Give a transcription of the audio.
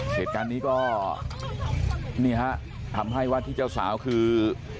เหตุการณ์นี้ก็นี่ฮะทำให้วัดที่เจ้าสาวคือ